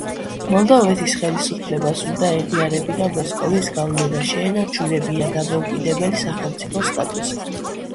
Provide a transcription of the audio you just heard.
მოლდოვეთის ხელისუფლებას უნდა ეღიარებინა მოსკოვის გავლენა, შეენარჩუნებინა დამოუკიდებელი სახელმწიფოს სტატუსი.